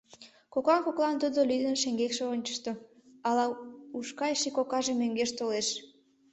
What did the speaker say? Коклан-коклан тудо лӱдын шеҥгекше ончышто: ала ушкайыше кокаже мӧҥгеш толеш.